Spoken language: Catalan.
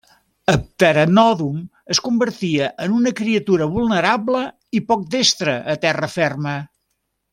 Pteranòdon es convertia en una criatura vulnerable i poc destre a terra ferma.